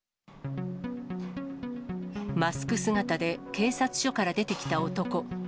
マスク姿で警察署から出てきた男。